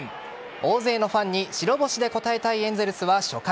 大勢のファンに白星で応えたいエンゼルスは初回。